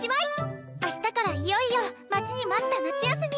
明日からいよいよ待ちに待った夏休み！